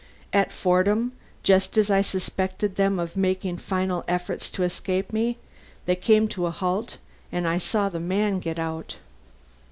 At Fordham, just as I suspected them of making final efforts to escape me, they came to a halt and I saw the man get out.